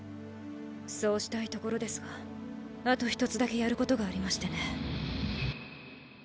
そうしたいところですがあとひとつだけやることがありましてね。